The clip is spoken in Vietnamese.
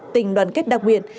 tình đoàn kết đặc biệt